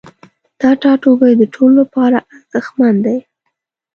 دا ټاتوبی د ټولو لپاره ارزښتمن دی